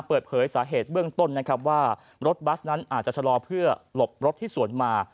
เปิดเผยสาเหตุเบื้องต้นนะครับว่ารถบัสนั้นอาจจะชะลอเพื่อหลบรถที่สวนมา